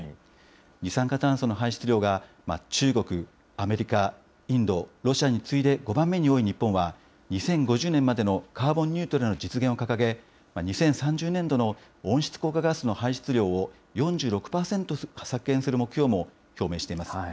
二酸化炭素の排出量が中国、アメリカ、インド、ロシアに次いで５番目に多い日本は、２０５０年までのカーボンニュートラルの実現を掲げ、２０３０年度の温室効果ガスの排出量を４６％削減する目標も表明しています。